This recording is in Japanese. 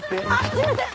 すいません！